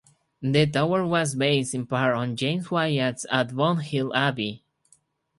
The tower was based in part on James Wyatt's at Fonthill Abbey.